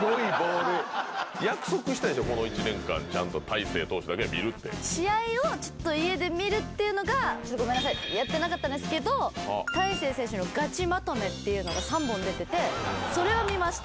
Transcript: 約束したでしょ、この１年間、試合をちょっと家で見るっていうのが、ちょっと、ごめんなさい、やってなかったんですけど、大勢選手のガチまとめっていうのが３本出てて、それは見ました。